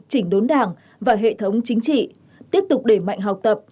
chỉnh đốn đảng và hệ thống chính trị tiếp tục đẩy mạnh học tập